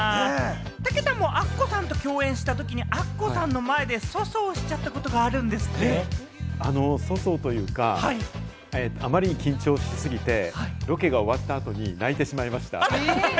たけたんもアッコさんと共演したときに、アッコさんの前で粗相をしちゃったことがあるんですって？粗相というか、あまりに緊張しすぎて、ロケが終わった後に泣いてしまいました。